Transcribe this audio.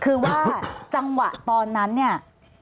คือว่าจังหวะตอนนั้นเนี่ย